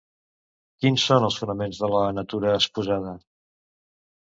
Quins són els fonaments de La natura exposada?